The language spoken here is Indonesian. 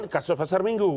kasus pasar minggu